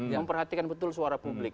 memperhatikan betul suara publik